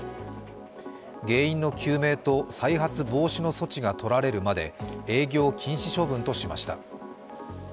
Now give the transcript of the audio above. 原因の究明と再発防止の措置がとられるまで営業禁止処分としました。